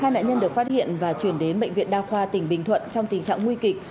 hai nạn nhân được phát hiện và chuyển đến bệnh viện đa khoa tỉnh bình thuận trong tình trạng nguy kịch